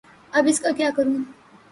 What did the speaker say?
اب اس کا کیا کروں؟